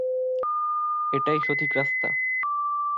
এটাই সঠিক রাস্তা।